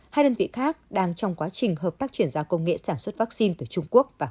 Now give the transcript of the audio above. hai đơn vị khác đang trong quá trình hợp tác chuyển giai đoạn